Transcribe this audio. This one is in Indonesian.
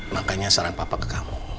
makanya saran papa ke kamu